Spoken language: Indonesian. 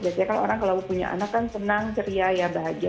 biasanya kalau orang punya anak kan senang ceria bahagia